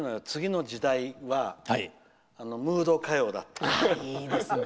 次の時代はムード歌謡だって。